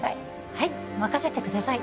はい任せてください